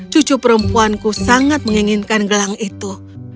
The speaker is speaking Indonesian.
cucu perempuanku sangat menginginkan gelang itu